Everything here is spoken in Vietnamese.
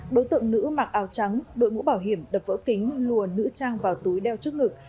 đối tượng nữ mặc áo trắng đội mũ bảo hiểm đập vỡ kính lùa nữ trang vào túi đeo trước ngực